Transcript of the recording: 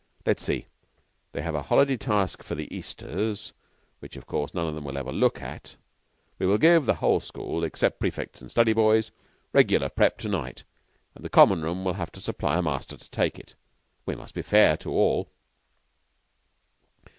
Let's see. They have a holiday task for the Easters, which, of course, none of them will ever look at. We will give the whole school, except prefects and study boys, regular prep. to night; and the Common room will have to supply a master to take it. We must be fair to all."